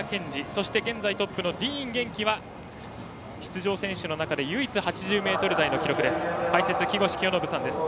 そして、現在トップのディーン元気は出場選手の中で唯一、８０ｍ台の記録です。